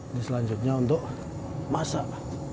ini selanjutnya untuk masak